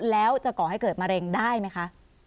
แล้วจะก่อให้เกิดมะเร็งได้ไหมคะ